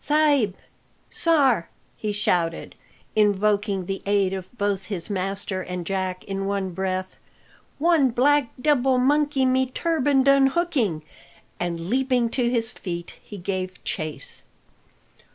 "Sa'b! Sar!" he shouted, invoking the aid of both his master and Jack in one breath, "one black debil monkey me turban done hooking;" and leaping to his feet he gave chase.